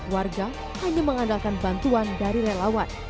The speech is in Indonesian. warga hanya mengandalkan bantuan dari relawan